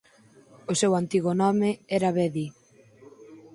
O seu antigo nome era Vedi.